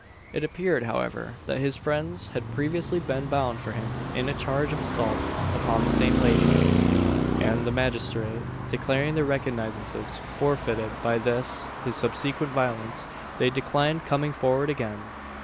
It appeared, however, that his friends had previously been bound for him in a charge of assault upon the same lady, and the magistrate declaring their recognizances forfeited by this his subsequent violence, they declined coming forward again.